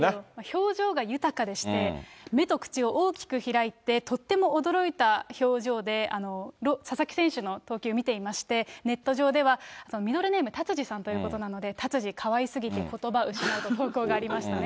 表情が豊かでして、目と口を大きく開いて、とっても驚いた表情で、佐々木選手の投球を見ていまして、ネット上では、ミドルネーム、タツジさんということなので、タツジかわいすぎて、ことば失うと投稿がありましたね。